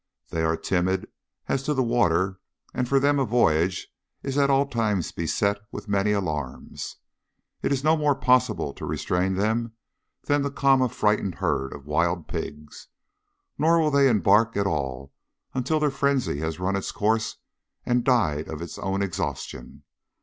They are timid as to the water, and for them a voyage is at all times beset with many alarms. It is no more possible to restrain them than to calm a frightened herd of wild pigs, nor will they embark at all until their frenzy has run its course and died of its own exhaustion.